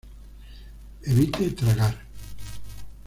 Evite tragar.